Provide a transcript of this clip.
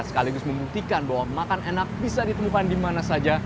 sekaligus membuktikan bahwa makan enak bisa ditemukan di mana saja